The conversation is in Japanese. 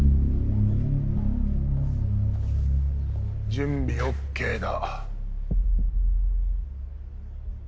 準備ＯＫだ。